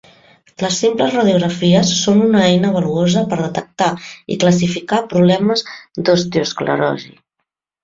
Les simples radiografies són una eina valuosa per detectar i classificar problemes d'osteoesclerosi.